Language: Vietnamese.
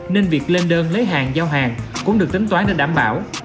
nên việc lên đơn lấy hàng giao hàng cũng được tính toán để đảm bảo